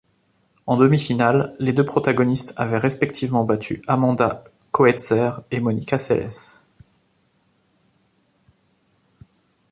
En demi-finale, les deux protagonistes avaient respectivement battu Amanda Coetzer et Monica Seles.